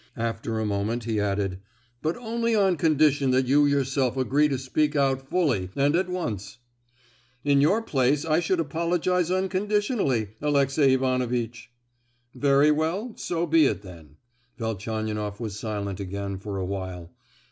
After a moment he added, "But only on condition that you yourself agree to speak out fully, and at once." "In your place I should apologise unconditionally, Alexey Ivanovitch." "Very well; so be it then." Velchaninoff was silent again for a while.